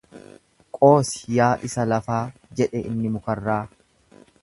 Qoosi yaa isa lafaa jedhe inni mukarraa.